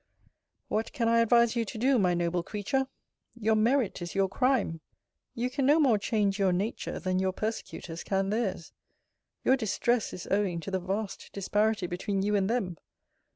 What can I advise you to do, my noble creature? Your merit is your crime. You can no more change your nature, than your persecutors can theirs. Your distress is owing to the vast disparity between you and them.